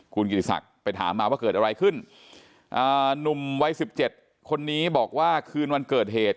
คุณกิติศักดิ์ไปถามมาว่าเกิดอะไรขึ้นหนุ่มวัยสิบเจ็ดคนนี้บอกว่าคืนวันเกิดเหตุ